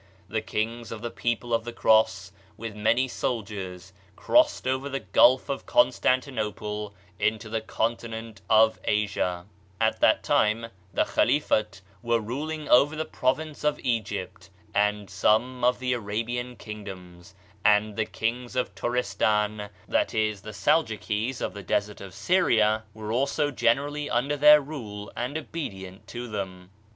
The kings of the people of the Cross, with many sol diers, crossed over the Gulf of Constantinople into the continent of Asia. At that time the Khalifat were ruling over the province of Egypt and some of the Arabian kingdoms; and the kings of Tur istan, that is the Saldjukees of the desert of Syria, ' Of the Hegira. 102 Digitized by Google OF CIVILIZATION were also generally under their rule and obedient to them.